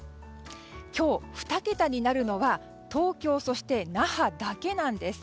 今日、２桁になるのは東京、そして那覇だけなんです。